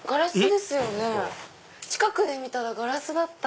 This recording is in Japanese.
近くで見たらガラスだった。